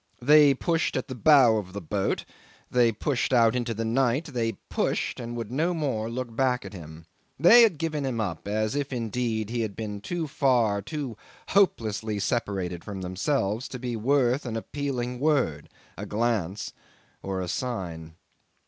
They pushed at the bow of the boat; they pushed out into the night; they pushed, and would no more look back at him. They had given him up as if indeed he had been too far, too hopelessly separated from themselves, to be worth an appealing word, a glance, or a sign.